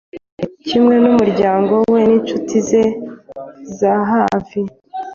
kimwe n’umuryango we n’inshuti ze za hafi